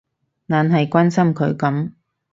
懶係關心佢噉